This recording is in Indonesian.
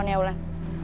nah tak korban